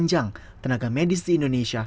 yang menangani covid sembilan belas